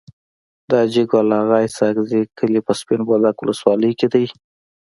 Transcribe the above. د حاجي ګل اغا اسحق زي کلی په سپين بولدک ولسوالی کي دی.